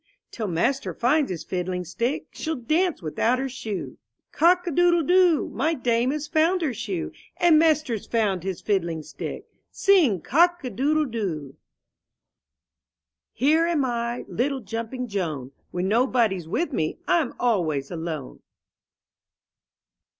Till master finds his fiddling stick She'll dance without her shoe. Cock a doodle doo ! My dame has found her shoe, And master's found his fiddling stick, Sing cock a doodle doo ! H ERE am I, little jumping Joan; When nobody's with me, I'm always alone.